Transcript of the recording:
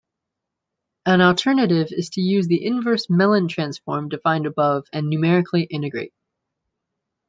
An alternative is to use the inverse Mellin transform defined above and numerically integrate.